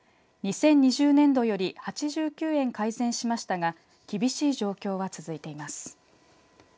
２０２０年度より８９円改善しましたが厳しい状況は続いています。